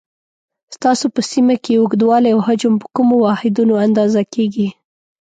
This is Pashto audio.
ستاسو په سیمه کې اوږدوالی او حجم په کومو واحدونو اندازه کېږي؟